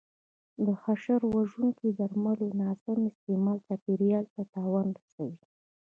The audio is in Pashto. د حشره وژونکو درملو ناسم استعمال چاپېریال ته تاوان رسوي.